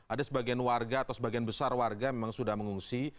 ada sebagian warga atau sebagian besar warga memang sudah mengungsi